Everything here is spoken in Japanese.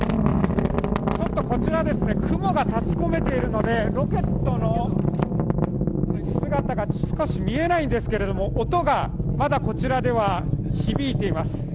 こちら、雲が立ちこめているのでロケットの姿が少し見えないんですけれども、音がまだこちらでは響いています。